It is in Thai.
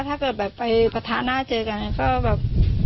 ถ้าไปปะทะหน้าเจอกันก็แบบ